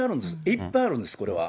いっぱいあるんです、これは。